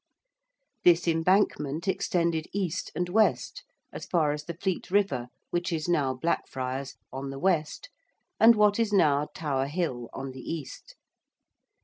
This embankment extended east and west as far as the Fleet River, which is now Blackfriars, on the west, and what is now Tower Hill on the east.